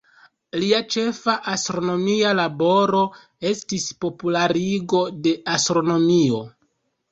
Lia ĉefa astronomia laboro estis popularigo de astronomio.